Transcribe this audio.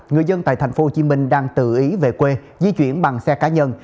người dân tại thành phố hồ chí minh đang tự ý về quê di chuyển bằng xe cá nhân